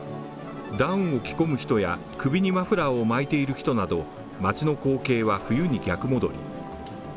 ダウンを着込む人や首にマフラーを巻いている人など、街の光景は、冬に逆戻り。